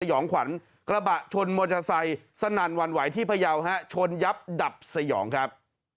สัยองขวัญกระบะชนมอเทศัยสนานวันไหวที่พยาวครับชนยับดับสัยองครับ